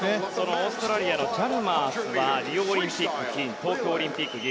オーストラリアのチャルマースはリオオリンピック、金東京オリンピック、銀。